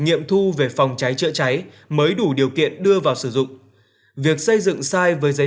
nghiệm thu về phòng cháy chữa cháy mới đủ điều kiện đưa vào sử dụng việc xây dựng sai với giấy